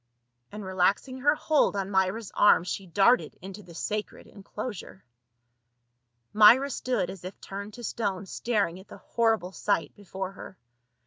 And relaxing her hold on Myra's arm she darted into the sacred enclosure. Myra stood as if turned to stone staring at the hor rible sight before her.